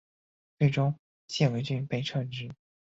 最终谢维俊被撤职。